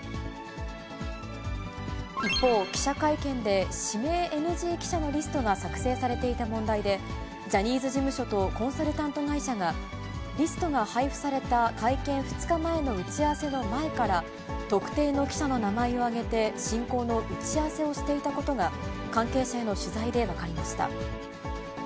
一方、記者会見で指名ＮＧ記者のリストが作成されていた問題で、ジャニーズ事務所とコンサルタント会社が、リストが配布された会見２日前の打ち合わせの前から、特定の記者の名前を挙げて進行の打ち合わせをしていたことが、関係者への取材で分かりました。